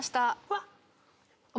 わっ。